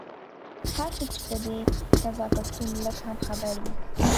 هر څوک چې په دې نزاکتونو لږ هم خبر وي.